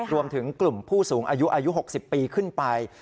รวมถึงกลุ่มผู้สูงอายุอายุ๖๐ปีขึ้นไป